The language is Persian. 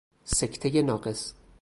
سکته ناقص